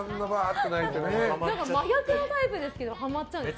真逆のタイプだけどハマっちゃうんですね。